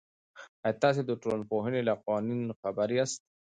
آیا تاسې د ټولنپوهنې له قوانینو خبر یاست؟